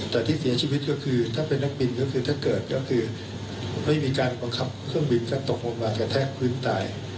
แล้วเสียชีวิตคือถ้าเป็นนักบินก็คือไม่มีการประคับเครื่องบินก็ตกมากกระแทกกลืนตาย